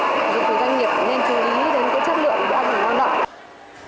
dịch bệnh doanh nghiệp nên chú ý đến chất lượng của doanh nghiệp